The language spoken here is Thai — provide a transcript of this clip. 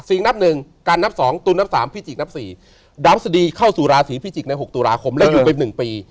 นับหนึ่งการนับ๒ตุลนับสามพิจิกนับสี่ดาวพฤษฎีเข้าสู่ราศีพิจิกใน๖ตุลาคมและหยุดไป๑ปี